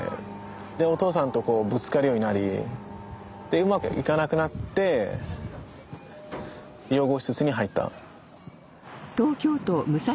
でお父さんとぶつかるようになりうまくいかなくなって養護施設に入った。